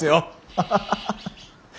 ハハハハハ。